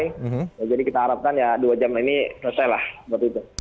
ya jadi kita harapkan ya dua jam ini selesai lah